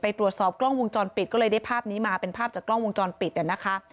ตรวจสอบกล้องวงจรปิดก็เลยได้ภาพนี้มาเป็นภาพจากกล้องวงจรปิดนะคะ